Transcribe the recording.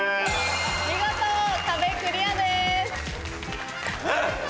見事壁クリアです。